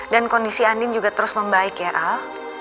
dan kondisi andien juga terus membaik ya al